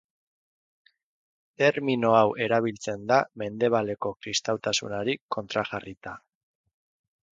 Termino hau erabiltzen da Mendebaleko Kristautasunari kontrajarrita.